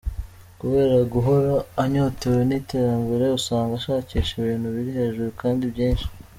Kubera guhora anyotewe n’iterambere, usanga ashakisha ibintu biri hejuru kandi byinshi.